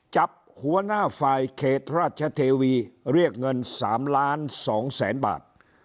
จับหัวหน้าฝ่ายเขตราชเทวีเรียกเงิน๓ล้าน๒แสนบาท